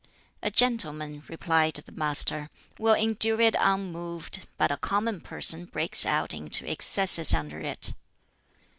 "A gentleman," replied the Master, "will endure it unmoved, but a common person breaks out into excesses under it."